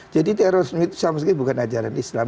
jadi terorisme itu sama sekali bukan ajaran islam